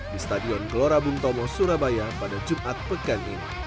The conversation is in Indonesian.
di stadion kelora buntomo surabaya pada jumat pekan